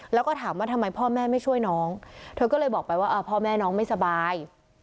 แล้วก็ถามว่าทำไมพ่อแม่ไม่ช่วยน้องเธอก็เลยบอกไปว่าพ่อแม่น้องไม่สบาย